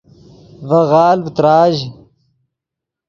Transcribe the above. ڤے غالڤ تراژ